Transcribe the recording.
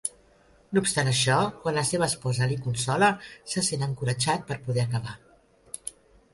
No obstant això, quan la seva esposa li consola, se sent encoratjat per poder acabar.